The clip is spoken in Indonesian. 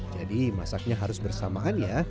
jadi masaknya harus bersamaannya